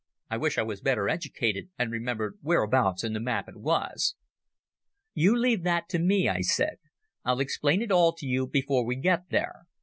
I wish I was better educated and remembered whereabouts in the map it was." "You leave that to me," I said; "I'll explain it all to you before we get there.